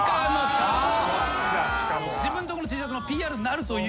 自分とこのＴシャツのＰＲになるということで。